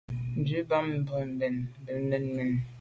Ndù à ba mbwon mbèn mbe mènnenùne.